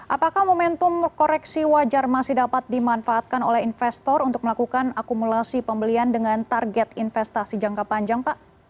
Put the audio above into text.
apakah momentum koreksi wajar masih dapat dimanfaatkan oleh investor untuk melakukan akumulasi pembelian dengan target investasi jangka panjang pak